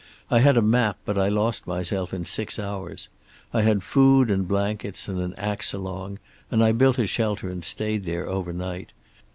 I had a map, but I lost myself in six hours. I had food and blankets and an axe along, and I built a shelter and stayed there overnight.